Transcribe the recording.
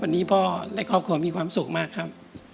วันนี้พ่อและครอบครัวมีความสุขมากครับ